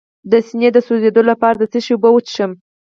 د سینې د سوځیدو لپاره د څه شي اوبه وڅښم؟